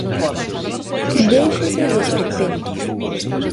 Déixese de esperpentos.